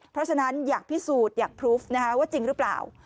เพราะฉะนั้นอยากพิสูจน์อยากพลูฟว่าจริงหรือเปล่า